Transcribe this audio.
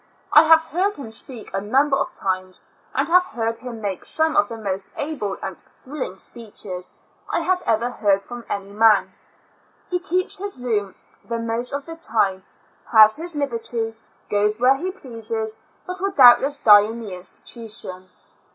I have heard him speak a number of times, and have heard him make some of the most able and thrilling speeches I have ever heard from any man. He keeps his room the most of the time; has his liberty; goes where he pleases, but will doubtless die in the institution.